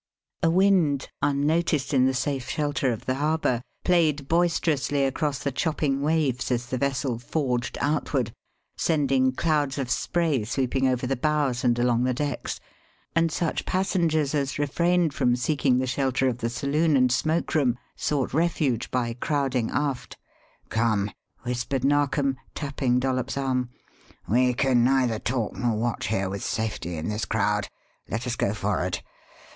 A wind, unnoticed in the safe shelter of the harbour, played boisterously across the chopping waves as the vessel forged outward, sending clouds of spray sweeping over the bows and along the decks, and such passengers as refrained from seeking the shelter of the saloon and smoke room sought refuge by crowding aft. "Come!" whispered Narkom, tapping Dollops' arm. "We can neither talk nor watch here with safety in this crowd. Let us go 'forrard.'